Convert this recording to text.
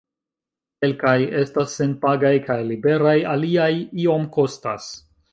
Kelkaj estas senpagaj kaj liberaj, aliaj iom kostas.